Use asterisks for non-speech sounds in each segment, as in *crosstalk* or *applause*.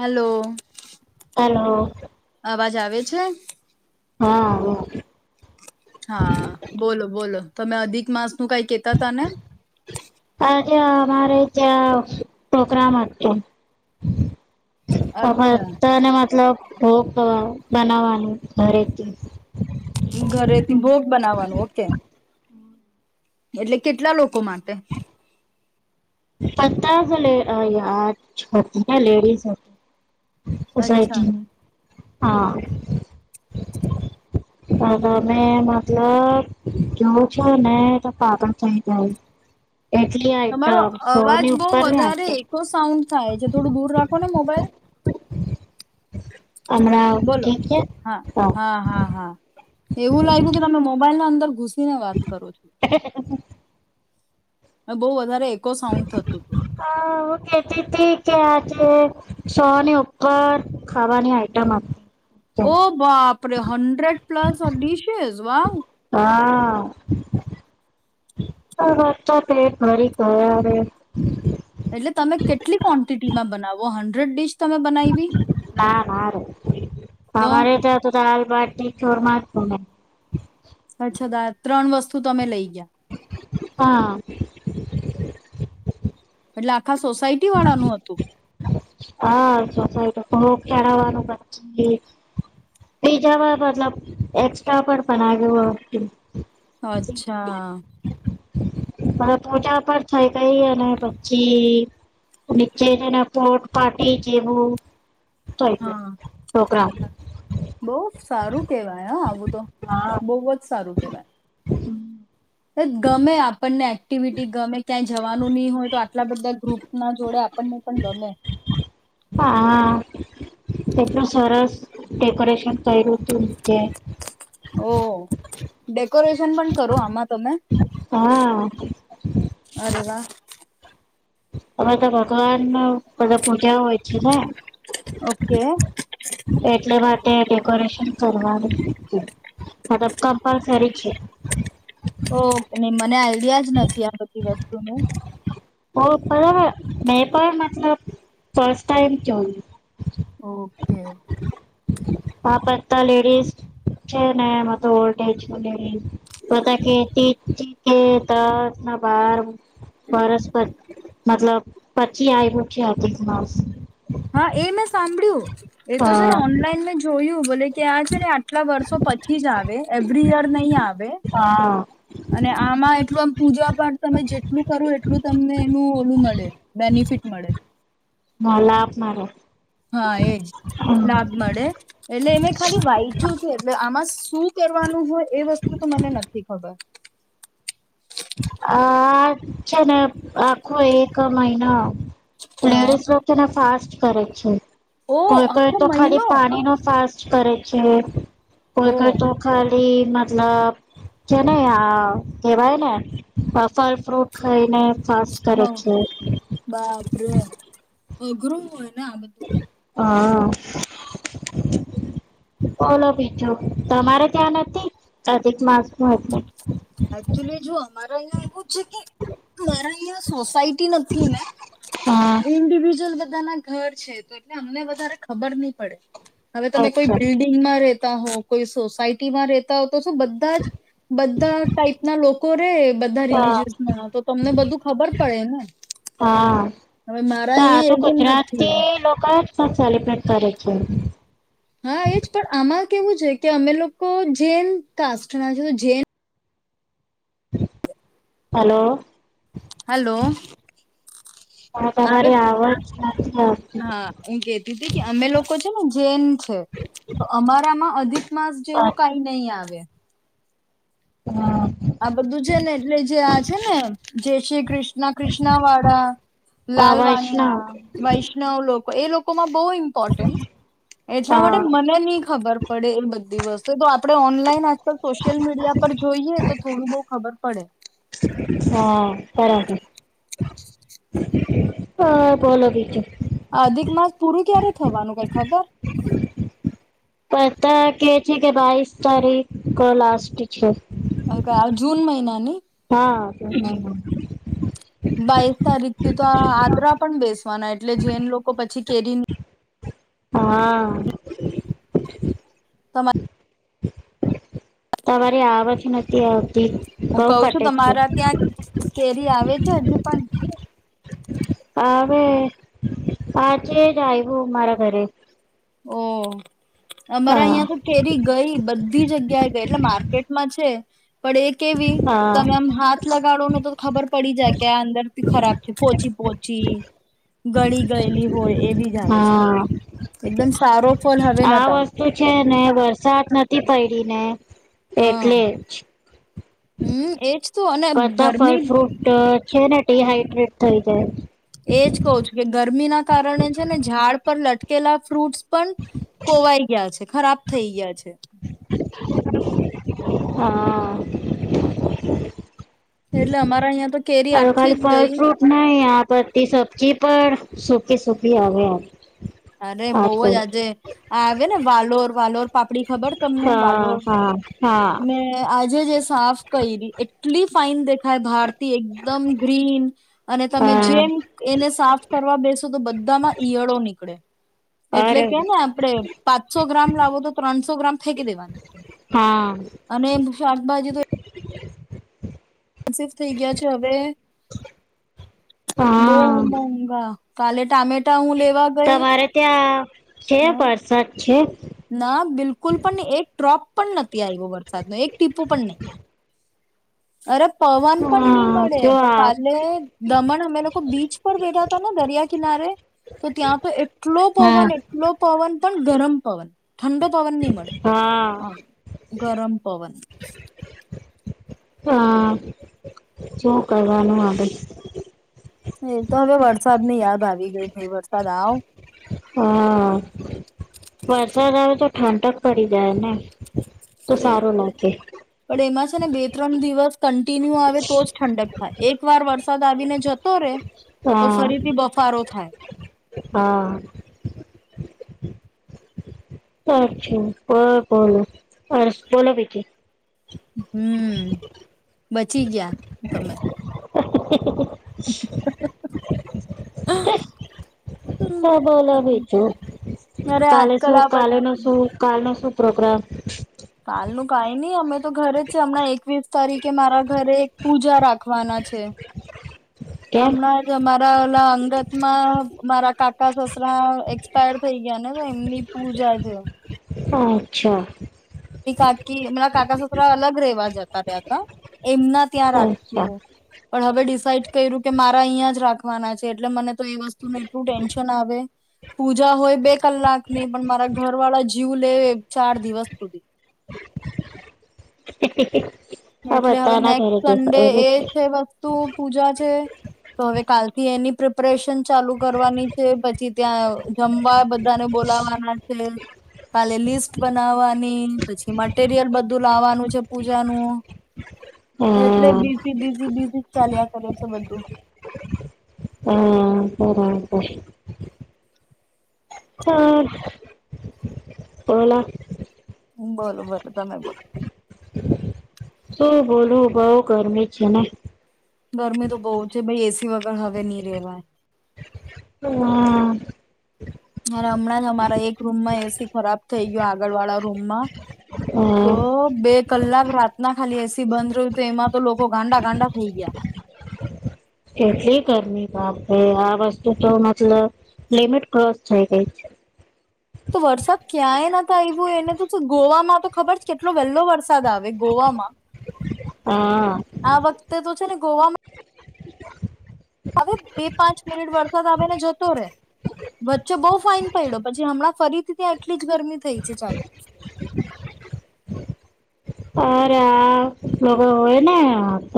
Hello hello, અવાજ આવે છે? હા આવે હા, બોલો બોલો તોમે અધિક માસ તું કઈ કેતા તને ત્યા, અમારે ત્યાં પ્રોગ્રામ હતો અ અચ્છા તને મતલબ ઓ બનાવાની ઘરેથી ભોગ બનાવવાનું ઓકે, એટલે કેટલા લોકો માટે? પચાસતી લેડીઝતી અચ્છા સોસાયટી હા, તમે મતલબ જો છો ને તો પાાગળ થઈ જાય, ઇટલી તમારો આઈટમ સો અવાજ ની બહ ઉપરની વધારે આઈટમ એકકો સાઉન્ડ થાય છે, થોડું દૂર રાખો ને મોબાઈલ *unintelligible* બોલો, ઠીક છે હા હા હા હા એવું લાગ્યું કે તમે મોબાઈલ ના અંદર ને વાત કરો છો હ બહુ વધારે એકો સાઉન્ડ થતું હતું હાકેતી આજે સોની ઉપર ખાવાની આઈટમ આપ ઓ બાપરે હન્ડ્રેડ પ્લસ ડીશેસ વાવ હા, વાચા ફરી તયરે એટલે તમે કેટલી ક્વોન્ટિટીમાં બનાવો હન્ડ્રેડ િશ ના ના ર તો અમારે તો તોાલ *unintelligible* અચ્છા દા ત્રણ વસ્તુ શું તમે લઈ ગયા, હા, એટલે આખા સોસાયટી વાળાનું હતું? હા, સોસાયગ ચઢવાનું બીજા મતલબ એસ્ટા પણ બના અચ્છા મ પૂજા પણ થઈ ગઈ અને પછી નીચે જને પોટ પાર્ટ જેવું થઈ ગયું હા પ્રોગ્રામ બહ સારું કેવાય હા આવું તો હા બહ જ સારું કેવાય ગમે આપણને એક્ટિવિટી ગમે ક્યાંય જવાનું નહીિ હોય તો આટલા બધા ગ્રુપ ના જોડે આપણને પણ ગમે હા એટલું સરસ ડેકોરેશન તઈરોત રધે કોરેશન પણ કરો આમાં તમે હા અરે વા હવે તો ભગવાન ન બધા પૂજા હોય ઓકે એટલે વાત તે ડેકોરેશન કરવાનું અ કંપલસરી છે ઓકે નિમ્ મને આ વ્યાજ જ નથી આ બધી વસ્તુનું બરાબ મેં પણ મતલબ ફસ્ટ ટાઈમ ઓકે હા બધા લેડીઝ છે નેમાં તો ઓલ્ડ એજ લેડી બધા કેતી દસ ના બાર વર્સ મતલબ પછી આવ્યું છે હતી મા હા એ મેં સાંભળ્યું એ તો છે હા ને ઓનલાઈન મેં જોયું બલે ત્યાં છે ને આટલા વર્ષો પછી જ આવે એવરી યર નહી આવે હા અને આમાં એટલું આમ પૂજા પાઠ તમે જેટલું કરો એટલું તમને એનું ઓલું મળે બેનિફિટ મળે હ લ આપ મારે હા એજ લાભ મળે એટલે એને ખાલી વાંચ્યું છે એટલે આમાં શ કરવાનું હોય એ વસ્તુ તો મને નથી ખબર આ છેા આખું એક મહિના હા લેડીઝ વતે ફાસ કર છેો ઓ કોઈકઈ આખો તો મહિનો ખાલી પાણી નો ફસ કર છે હ ત ઓ ખર તું ખ મતલબ કેને કેવાય ને ફલ ફ્રૂટ ખાઈને ફાસ્ટ કરે હા છે બાપરે અઘ્રરું ના બધું પણ હા બોલો બીજું તમારે ત્યાં નથી અધિક માસમાં એકચુલી જો અમારે અહં એવું છે કે મારા અહિયાં સોસાયટી નથી ને હા ઇન્ડિવિજુઅલ બધા ના ઘર છે તો એટલે અમને વધારે ખબર નહ પડે હવે તમે કોઈ અચ્છા બિલ્ડિંગ માં ર હો કોઈ સોસાયટી માં રહેતા હો તોું બધા જ બધા ટાઈપ ના લોકો રે બધા હા રિલીજયસ ના તો તમને બધું ખબર પડે ને હા હવે મારા અહં એવું નથી સા ચલે પ કર છે હા એજ પણ આમાં કેવું છે કે અમે લોકો જેૈન કાસ્ટ ના છ જેન હલોલો હલો પણ આવે તમારી આવજ નથી આવતી. હા હું કેતી ત કે અમે લોકો છે ને જેૈન છે તો અમારામાં અધિક માસ જેવું કાઈ નહીં આવે અચ્છા હા આ બધું છે ને એટલે જે આ છે ને જે શ્રી કિષ્ણ કિષ્ણા વાડા અવાજ ના લાલવાણિયા વૈષ્ણવ લોક એ લોકોમાં બો ઇમ્પોર્ટન્ટ એટલા માટે હા મને ની ખબર પડે એ બ દિવસે તો આપણે ઓનલાઈન જ તો સોશિયલ મીડિયા પર જોઈએ તો બો ખબર પડે હા બરાબર હા બોલો બીજું અધિક માસ પૂરું ક્યારે થવાનું કઈ ખબર પતા કે છે કે બાવીસ તારીખ ક લાસ્ટ છે. જૂન મહિનાની હા બાવીસ તારીખ થી તો આ આદ્રા પણ બેસ પને એટલે જેન લોકો પછી કેરીન હા તમા તમારી આવક ન હું કઉ છું તમારા ત્યાં કેરી આવે છે હજુ પણ આવે આજે જ આવ્યું મારા ઘરે ઓ અમારા હા અયા તો કેરી ગઈ બધી જગ્યાએ ગઈ એટલે માર્કેટમાં છે. પણ એ કેવી હા તમે આમ હાથ લગાડો ને તો ખબર પડી જાય કે આ અંદરથી ખરાબ છે. પોચી પો ચી ગણી ગયેલી હોય એ બી જાલે આવે છે. હા એકદમ સારો ફલ હવે આ નથ આવતો વસ્તુ છે ને વરસાદ નથી પય તીને હા એટલે જ હમ એજ તું અને કરતા ફળ ગરમી ફ્રૂટ છે ને ટિહાઈડ્રેટ થઈ જાય એજ કવ છું કે ગરમી ના કારણે છે ને ઝાડ પર લ કેલા ફ્રૂટ્સ પન કોવાઈ ગયા છે. ખરાબ થઈ ગયા છે. હા એટલે અમારા અહિયાં તો કેરી અ આખી ખાલી જ ફલ ગઈ ફ્રૂટ નહી આ પતી સબચી પણ સુખી સુખી આવે અરે બઉ જ આજકલ આજે આ આવે ને વાલોર વાલોર પાપડી ખબર તમને હા વાલોડ હા હા ને આજે જે સાફ કરી રહી એટલી ફાઇન દેખાાય ભારત એકદમ ગ્રીન અને તમે હા જેમ એને સાફ કરવા બેસો તો બધામાં ઈયળો નીકળે એટલે અરે કે ને આપણેે પાંચસો ગ્રામ લાવો તો ત્રણસો ગ્રામ ફેંકી દેવાની હા અને એ શાકભાજી તો *inaudible* મુનસિફ થઈ ગયા છે હવે હા બહમંગ કાલે ટામેટ હું લેવા ગઈ તમારે ત્યાં છે હ પાં સાત છે ના બિલકુલ પણ નહી એક ડ્રોપ પણ નથી આવ્યો વરસાદનો એક ટીપું પણ નહી અરે પવન પણ નહી હા મળે જો પણ આ કાલે દમણ અમે લોકો બીચ પર બેઠા હતા ને દરિયા કનારે તો ત્યાં તો એટલો હા પવન એટલો પવન પણ ગરમ પવન ઠંડક પવનની મળે હા ગરમ પવન. હા શું કરવાનું હવે. તો હવે વરસાદ ની યાદ આવી ગઈ કે વરસાદ આવ હા વરસાદ આવે તો ઠંડક પડી જાય ને. તો સારું એજ ના પણ એમાં ને બે ત્રણ દિવસ કન્ટિન્યુ આવે તો જ ઠંડક થાય એક વાર વરસાદ આવીને જતો રે તો હા ફરીથી બફારો થાય હા. અચ્છા બ બોલો અસ બોલો બીજું હમ બચી ગયા તમે *unintelligible* *unintelligible* હમ તો બોલોબીજું અરે કાલે આજકાલ શું આ કાલે નો બધ શું કાલ નો શું પ્રોગ્રામ. હાલનું કઈ નહી અમે તો ઘરે જ છે હમણાં એકવીસ તારીખે મારા ઘરે એક પૂજા રાખવાના છે. કેમ હમણાં જ અમારા ઓલા અં રતમાં મારા કાકા સસરા એક્સપાયર થઈ ગયા ને તો એમની પૂજા છે. અચ્છા. મારી કાકી ના કાકા સસરા અલગ રેવા જતા રયાતા. એમના ત્યાં રાખજો અચ્છા પણ હવે ડિસાઇડ કર્યું કે મારા અહીંયા જ રાખવાના છે એટલે મને તો એ વસ્તુનુ એટલું ટેન્શન આવે. પૂજા હોય બે કલાકની પણ મારા ઘરવાળા જીવ લેવે ચાર દિવસ સુધી. *inaudible* આ એટલે હવે બધાના ઘરે નેક્સ્ટ જશે સન્ડે એવું એ છે વસ્તુ પૂજા છે તો હવે કાલથી એની પ્રિપરેેશન ચાલુ કરવાની છે. પછી ત્યાં જમવા બધાને બોલાવાના છે. કાલે લિસ્ટ બનાવવાની, પછી મટેરિયલ બધું લાવવાનું છે પૂજાનું. એટલે હા બીઝી બીઝી બીઝી જ ચાલ્યા કરે છે બધું. હહ બરાબર *inaudible* પેલા બોલો બોલો તમે બોલો શું બોલું બહુ ગરમી છે ને ગરમી તો બહુ છે ભઈ એસી વગર હવે ની રેવાય. હા અરે હમણાં જ અમારા એક રૂમમાં એસી ખરાબ થઈ ગયો આગળ વાળા રૂમમાં હા તો બે કલાક રાતના ખાલી એસી બંધ રહ્યું તો એમાં તો લોકો ગાંડા ગાંડા થઈ ગયા. કેટલી ગરમી બાપ રે! આ વસ્તુ તો મતલબ લિમિટ ક્રોસ થઈ ગઈ છે. તો વરસાદ ક્યાંય નથ આવ્યો એને તો તો ગોવામાં તો ખબર છે કેટલો વેલો વરસાદ આવે ગોવામાં. હા આ વખતે તો છે ને ગોવામાં *inaudible* હવે બે પાંચ મિનિટ વરસાદ આવે ને જતો રે વચ્ચે બહુ ફાઇન પડ્યો પછી હમણાં ફરીથી ત્યાં એટલી જ ગરમી થઈ છે ચાલુ. અરે આ લોકો હોય ને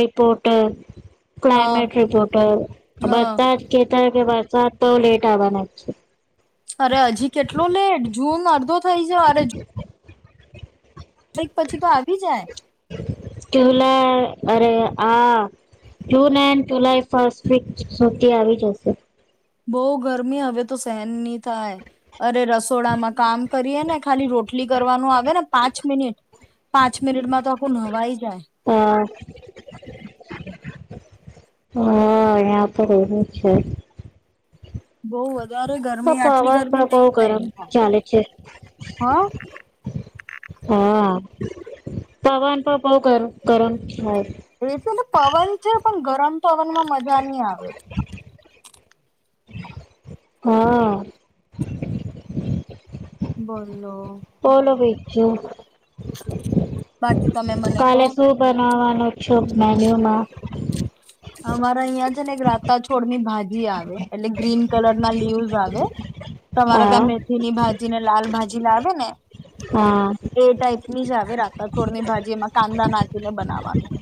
રિપોર્ટર. હા ક્લાયમેટ હે ટોટલ આ હા બધાં કે કારણ કે વરસાદ તો લેટ આવવાના જ છે. અરે હજી કેટલો લેટ જૂન અડધો થઇ જ અરે કઈક પછી ભાગી જાય. જુલાઈ અરે આ June and July first week સુધી આવી જશે. બહુ ગરમી હવે તો સેહેન ની થાય. અરે રસોડામાં કામ કરીએ ને ખાલી રોટલી કરવાનું આવે ને પાંચ મિનિટ પાંચ મિનિટમાં તો આખું નવાઇ હા હા અહીંયા તો રહેવું જ છે. બહું વધ હ પવન પણ બહું ગરમ થાય ચાલે છે. હા હા પવન પણ બહુ ગરમ ગરમ થાય. એ છે ને પવન છે પણ ગરમ પવનમાં મજા નહી આવે. હા બોલો. બોલો બીજું. બટ કાલે શું બનાવવાનું છે મેન્યુ માં. અમારા અહિયાં છે ને એક રાતા છોડની ભાજી આવે એટલે ગ્રીન કલર ના લીવસ આવે. તમારે હા. ત્યાં મેથીની ભાજી ને લાલ ભાજ જીન આવે ને. હા. નીજ આવે રાતા છોડની ભાજી એમાં કાંદા નાખીને બનાવવાનું.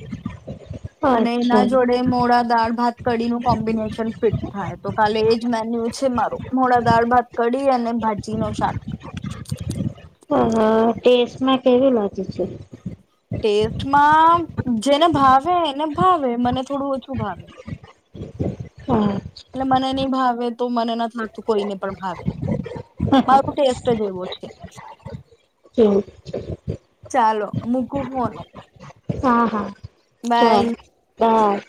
અચ્છા જોડે મોડા દાળ ભાત કઢીનું કોમ્બિનેશન ફિટ થાય તો કાલે એ જ મેન્યુ છે મારો મોડા દાળ ભાત કઢી અને ભાજી નો શાક. હ ટેસ્ટમાં કેવુ લાગે છે. ટેસ્ટમાં જેને ભાવે એને ભાવે મને થોડું ઓછું ભાવે, હા એટ મને નઈ ભાવે તો મને નથી લાગતું કોઈને પણ ભાવે માર ટેસ્ટ જ એવો છે, હા ચાલો મુકું ફોન હા હા ચાલ બાય, બાય